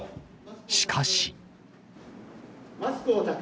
しかし。